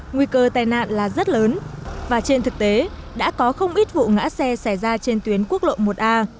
nguy cơ tai nạn là rất lớn và trên thực tế đã có không ít vụ ngã xe xảy ra trên tuyến quốc lộ một a